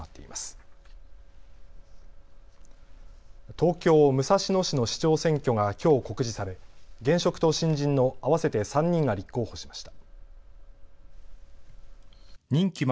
東京武蔵野市の市長選挙がきょう告示され、現職と新人の合わせて３人が立候補しました。